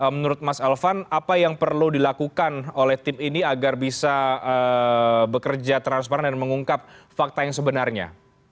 menurut mas elvan apa yang perlu dilakukan oleh tim ini agar bisa bekerja transparan dan mengungkap fakta yang sebenarnya